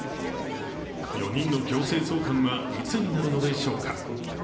４人の強制送還はいつになるのでしょうか。